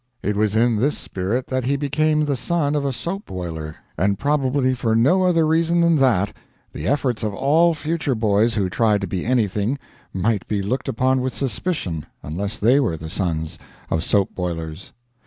It was in this spirit that he became the son of a soap boiler, and probably for no other reason than that the efforts of all future boys who tried to be anything might be looked upon with suspicion unless they were the sons of soap boilers.